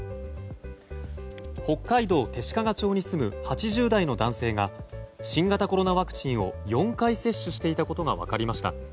北海道弟子屈町に住む８０代の男性が新型コロナワクチンを４回接種していたことが分かりました。